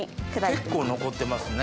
結構残ってますね。